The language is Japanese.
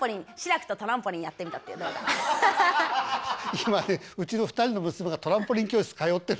今ねうちの２人の娘がトランポリン教室通ってる。